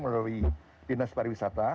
melalui dinas pariwisata